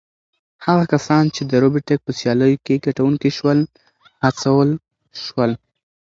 هغه کسان چې د روبوټیک په سیالیو کې ګټونکي شول هڅول شول.